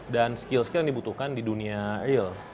dan skill skill yang dibutuhkan di dunia real